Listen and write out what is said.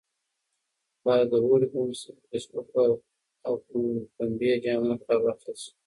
باید د اوړي په موسم کې له سپکو او پنبې جامو کار واخیستل شي.